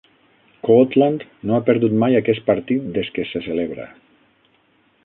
Cortland no ha perdut mai aquest partit des que se celebra.